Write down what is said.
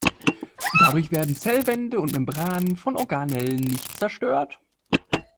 Dadurch werden Zellwände und Membranen von Organellen nicht zerstört.